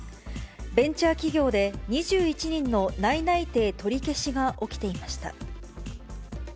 ベンチャー企業で２１人の内々定取り消しが起きていました。